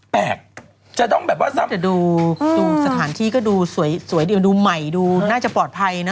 แปลกจะต้องแบบว่าซ้ำสถานที่ก็ดูสวยดีดูใหม่ดูน่าจะปลอดภัยนะ